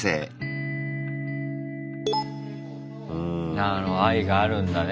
なるほど愛があるんだね。